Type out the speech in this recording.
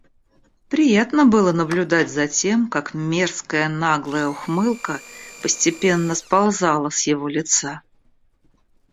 Приятно было наблюдать за тем, как мерзкая, наглая ухмылка постепенно сползала с его лица.